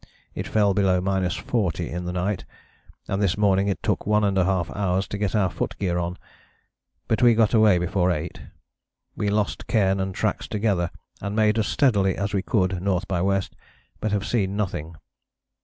It fell below 40° in the night, and this morning it took 1½ hours to get our foot gear on, but we got away before eight. We lost cairn and tracks together and made as steady as we could N. by W., but have seen nothing.